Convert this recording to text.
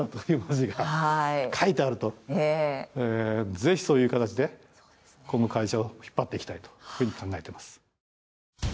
ぜひそういう形でこの会社を引っ張っていきたいというふうに考えてます。